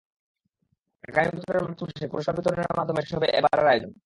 আগামী বছরের মার্চ মাসে পুরস্কার বিতরণের মাধ্যমে শেষ হবে এবারের আয়োজন।